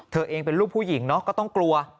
เธอเองเป็นลูกผู้หญิงเนาะก็ต้องกลัว